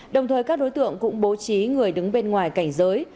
đồng thời các đối tượng cũng bố trí người đứng bên ngoài cảnh giới